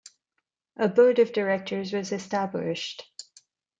A board of directors was established.